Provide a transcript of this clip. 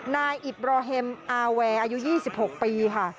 นายอิดบรอเฮมอาแวร์อายุ๒๖ปีค่ะ